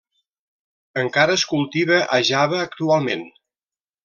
Encara es cultiva a Java actualment.